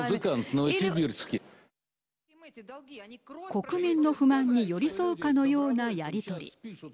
国民の不満に寄り添うかのようなやり取り。